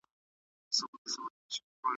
دا ويل کېږي چي امن د هر چا حق دی.